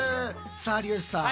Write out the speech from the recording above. さあ有吉さん。